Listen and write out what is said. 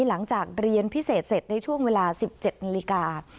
หลังจากเรียนพิเศษเสร็จในช่วงเวลา๑๗นาฬิกา